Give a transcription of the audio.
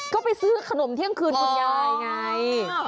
ก็ไปซื้อขนมเที่ยงคืนคุณยายไง